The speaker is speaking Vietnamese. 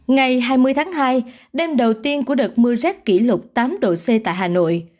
ngày hai mươi tháng hai đêm đầu tiên của đợt mưa rét kỷ lục tám độ c tại hà nội